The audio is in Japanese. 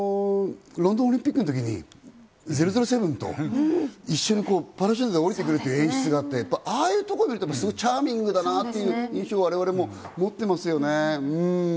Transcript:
ロンドンオリンピックの時に００７と一緒にパラシュートで降りてくる演出があって、ああいうところを見るとチャーミングだなっていう印象を我々も持っていますよね。